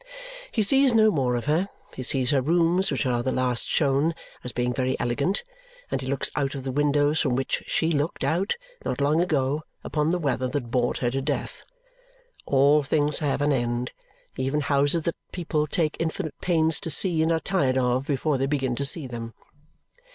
He sees no more of her. He sees her rooms, which are the last shown, as being very elegant, and he looks out of the windows from which she looked out, not long ago, upon the weather that bored her to death. All things have an end, even houses that people take infinite pains to see and are tired of before they begin to see them.